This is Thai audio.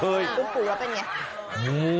เคยคุณปลูกแล้วก็เป็นอย่างไง